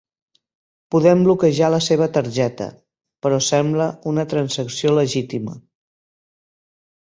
Podem bloquejar la seva targeta, però sembla una transacció legitima.